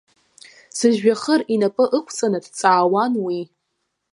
Сыжәҩахыр инапы ықәҵаны дҵаауан уи.